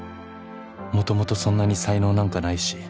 「もともとそんなに才能なんかないし」